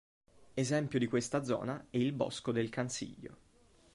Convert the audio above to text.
Esempio di questa zona è il bosco del Cansiglio.